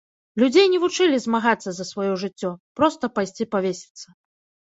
Людзей не вучылі змагацца за сваё жыццё, проста пайсці павесіцца.